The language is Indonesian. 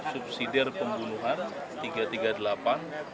subsidiar pembunuhan tiga ratus tiga puluh delapan